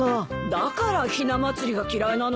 だからひな祭りが嫌いなのか。